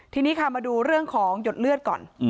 ทีนี้ค่ะมาดูเรื่องของหยดเลือดก่อน